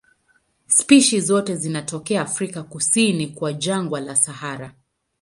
Spishi zote zinatokea Afrika kusini kwa jangwa la Sahara.